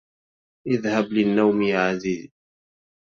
اذهب للنوم يا عزيزي.